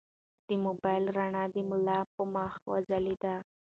د موبایل رڼا د ملا په مخ وځلېده.